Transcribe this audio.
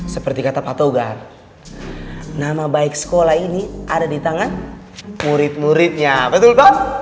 seperti kata pak togar nama baik sekolah ini ada di tangan murid muridnya betul pak